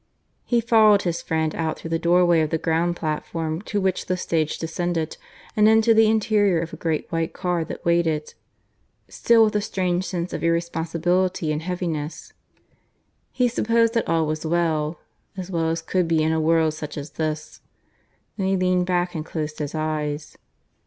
He followed his friend out through the doorway of the ground platform to which the stage descended, and into the interior of a great white car that waited still with a strange sense of irresponsibility and heaviness. He supposed that all was well as well as could be in a world such as this. Then he leaned back and closed his eyes.